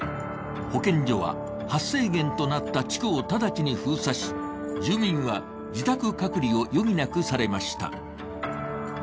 保健所は発生源となった地区を直ちに封鎖し、住民は自宅隔離を余儀なくされました。